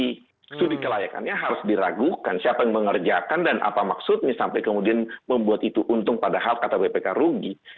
jadi studi kelayakannya harus diragukan siapa yang mengerjakan dan apa maksudnya sampai kemudian membuat itu untung padahal kata bpk rugi